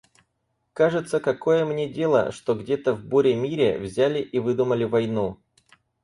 Кажется – какое мне дело, что где-то в буре-мире взяли и выдумали войну?